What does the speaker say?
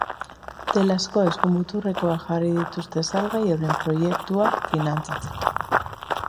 Telazko eskumuturrekoak jarri dituzte salgai euren proiektua finantziatzeko.